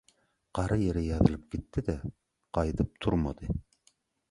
Gara ýere ýazylyp gitdi-de gaýdyp turmady.